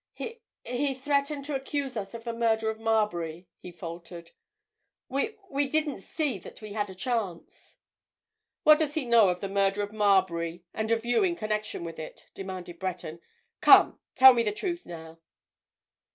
"He—he threatened to accuse us of the murder of Marbury!" he faltered. "We—we didn't see that we had a chance." "What does he know of the murder of Marbury and of you in connection with it?" demanded Breton. "Come—tell me the truth now."